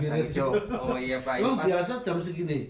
lu biasa jam segini